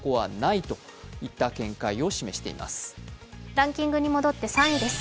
ランキングに戻って３位です。